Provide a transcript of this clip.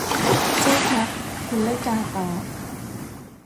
ใช่ครับ หุ่นไล่กาตอบ